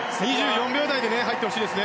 ２４秒台で入ってほしいです。